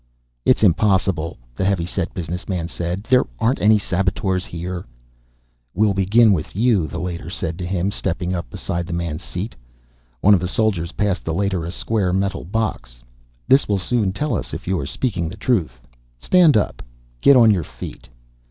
"It's impossible," the heavy set business man said. "There aren't any saboteurs here." "We'll begin with you," the Leiter said to him, stepping up beside the man's seat. One of the soldiers passed the Leiter a square metal box. "This will soon tell us if you're speaking the truth. Stand up. Get on your feet."